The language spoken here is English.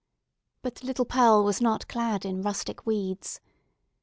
But little Pearl was not clad in rustic weeds.